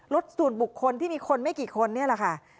ส่วนบุคคลที่มีคนไม่กี่คนนี่แหละค่ะ